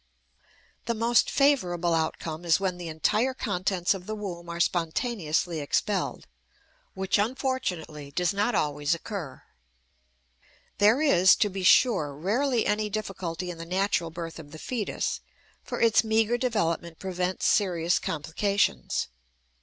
The most favorable outcome is when the entire contents of the womb are spontaneously expelled, which unfortunately does not always occur. There is, to be sure, rarely any difficulty in the natural birth of the fetus, for its meager development prevents serious complications.